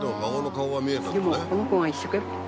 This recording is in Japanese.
でもこの子が一生懸命。